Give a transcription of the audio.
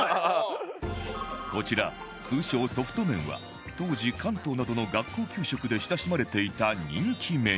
こちら通称ソフト麺は当時関東などの学校給食で親しまれていた人気メニュー